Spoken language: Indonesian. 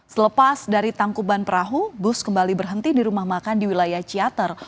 selepas dari tangkuban perahu bus kembali berhenti di rumah makan di wilayah ciater